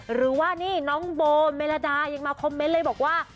หรือว่านี่น้องโบเมลดายังมาคอมเมนต์เลยบอกว่า